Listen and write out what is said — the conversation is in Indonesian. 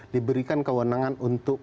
diberikan kewenangan untuk